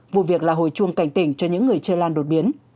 vụ việc là hồi chuông cảnh tỉnh cho những người chơi lan đột biến